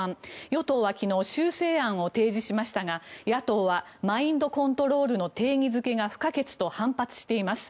与党は昨日修正案を提示しましたが野党はマインドコントロールの定義付けが不可欠と反発しています。